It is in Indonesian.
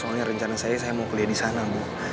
soalnya rencana saya saya mau kuliah di sana bu